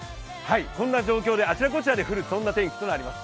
そんな状況であちらこちらで降るそんな感じになります。